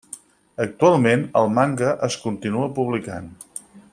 Actualment, el manga es continua publicant.